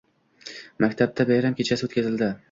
Maktabda bayram kechasi o`tkazildi